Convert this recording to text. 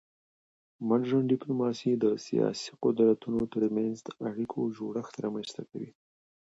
مډرن ډیپلوماسي د سیاسي قدرتونو ترمنځ د اړیکو جوړښت رامنځته کوي